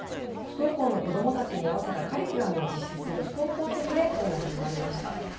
不登校の子どもたちに合わせたカリキュラムを実施する不登校特例校も始まりました。